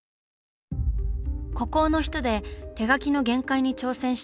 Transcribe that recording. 「孤高の人」で手描きの限界に挑戦した坂本さん。